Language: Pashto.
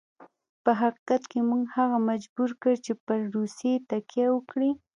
په حقیقت کې موږ هغه مجبور کړ چې پر روسیې تکیه وکړي.